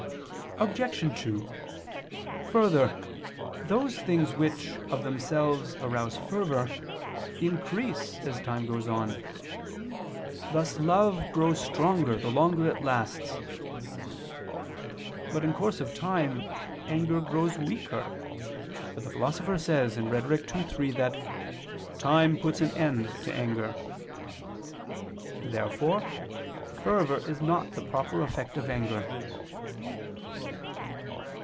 Obj. 2: Further, those things which, of themselves, arouse fervor, increase as time goes on; thus love grows stronger the longer it lasts. But in course of time anger grows weaker; for the Philosopher says (Rhet. ii, 3) that "time puts an end to anger." Therefore fervor is not the proper effect of anger.